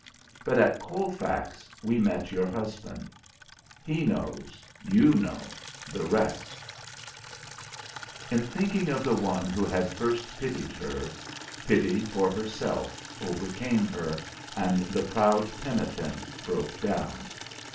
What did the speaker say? "But at Colfax we met your husband. He knows you know the rest." In thinking of the one who had first pitied her, pity for herself overcame her, and the proud penitent broke down.